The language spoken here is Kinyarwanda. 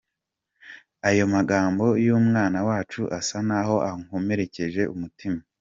Ayo magambo y’umwana wacu asa n’aho ankomerekeje umutima.